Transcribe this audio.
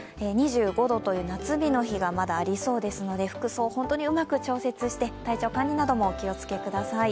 ２５度という夏日の日がまだありそうですので服装、本当にうまく調節して、体調管理などもお気をつけください。